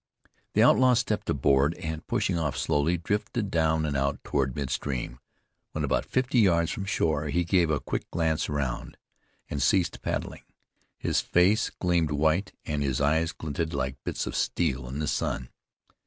The outlaw stepped aboard, and, pushing off slowly, drifted down and out toward mid stream. When about fifty yards from shore he gave a quick glance around, and ceased paddling. His face gleamed white, and his eyes glinted like bits of steel in the sun.